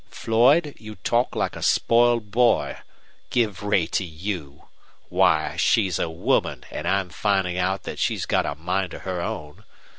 "Floyd; you talk like a spoiled boy. Give Ray to you! Why, she's a woman, and I'm finding out that she's got a mind of her own.